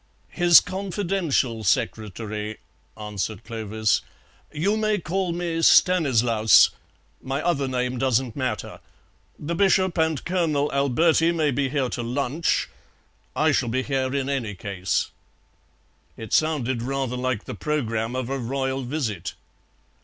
"His confidential secretary," answered Clovis. "You may call me Stanislaus; my other name doesn't matter. The Bishop and Colonel Alberti may be here to lunch. I shall be here in any case." It sounded rather like the programme of a Royal visit.